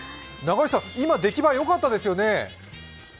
今、出来栄えよかったですよね？